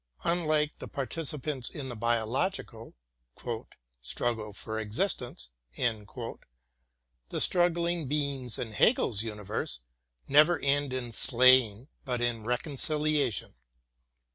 Unlike the par ticipants in the biological "struggle for existence," the struggling beings of Hegel's universe never end in slaying, but in reconciliation.